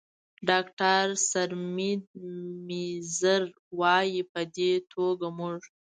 ډاکتر سرمید میزیر، وايي: "په دې توګه موږ